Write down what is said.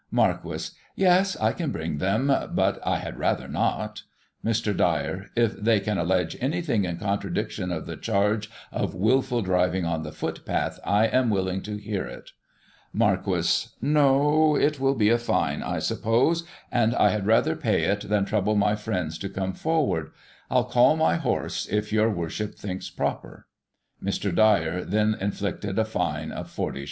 Marquis : Yes, I can bring them, but I had rather not Mr. Dyer : If they can allege anything in contradiction of the charge of wilful driving on the footpath, I am willing to hear it. Marquis: No. It will be a fine, I suppose, and I had rather pay it than trouble my friends to come forward I'll call my horse, if your Worship thinks proper. Mr. Dyer then inflicted a fine of 40s.